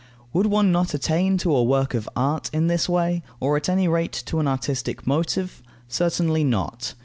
Would one not attain to a work of art in this way, or at any rate to an artistic motive? Certainly not.